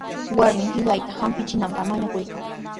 Warmin qillayta hampichinanpaq mañakuykan.